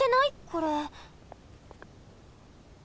これ。